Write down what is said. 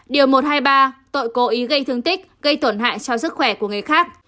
điều một hai ba tội cố ý gây thương tích gây tổn hại cho sức khỏe của người khác